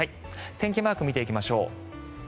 天気マーク見ていきましょう。